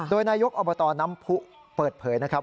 โดยนายกอบตน้ำผู้เปิดเผยนะครับ